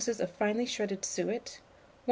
of finely shredded suet, 1/4 lb.